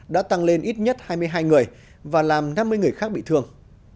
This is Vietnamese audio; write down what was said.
đã tăng lên ít nhất hai mươi hai người và làm năm mươi người khác bị thương